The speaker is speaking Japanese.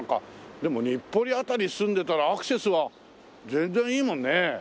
でも日暮里辺り住んでたらアクセスは全然いいもんね。